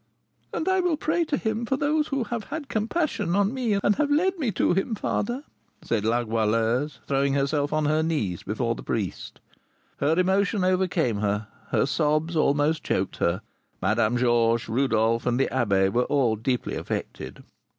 "And I will pray to him for those who have had compassion on me and have led me to him, father," said La Goualeuse, throwing herself on her knees before the priest. Her emotion overcame her; her sobs almost choked her. Madame Georges, Rodolph, and the abbé were all deeply affected.